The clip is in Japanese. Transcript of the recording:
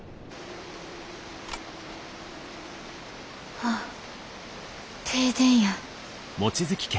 あ停電や。